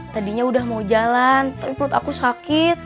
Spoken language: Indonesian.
tadinya udah mau jalan tapi perut aku sakit